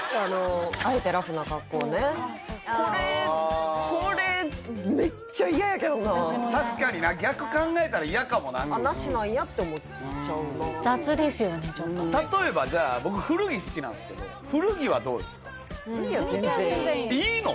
これこれめっちゃ嫌やけどな私も嫌確かにな逆考えたら嫌かもななしなんやって思っちゃうなあ雑ですよねちょっと例えばじゃあ僕古着好きなんですけど古着は全然いいいいの！？